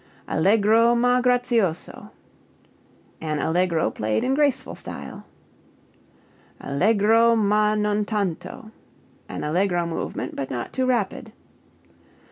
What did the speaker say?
Allegro ma grazioso an allegro played in graceful style. Allegro (ma) non tanto an allegro movement, but not too rapid.